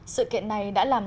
sự kiện này đã làm